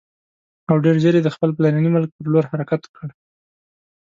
او ډېر ژر یې د خپل پلرني ملک پر لور حرکت وکړ.